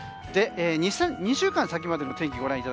２週間先までの天気です。